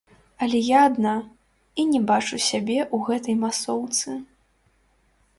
Але я адна, і не бачу сябе ў гэтай масоўцы.